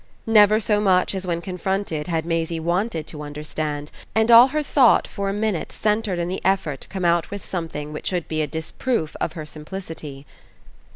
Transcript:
Never so much as when confronted had Maisie wanted to understand, and all her thought for a minute centred in the effort to come out with something which should be a disproof of her simplicity.